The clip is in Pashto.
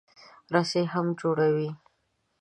رسۍ هم جوړوي.